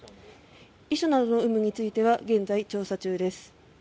遺書などの有無については現在調査中です。